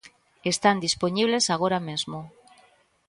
Están dispoñibles agora mesmo.